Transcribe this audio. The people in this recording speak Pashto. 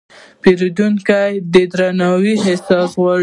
پیرودونکی د درناوي احساس غواړي.